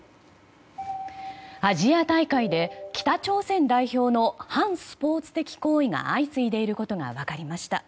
アジア大会で北朝鮮代表の反スポーツ的行為が相次いでいることが分かりました。